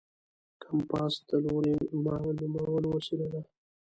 کمپاس د لوري معلومولو وسیله ده.